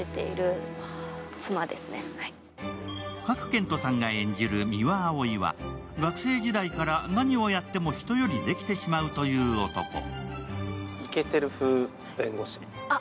賀来賢人さんが演じる三輪碧は学生時代から何をやっても人よりできてしまうという男。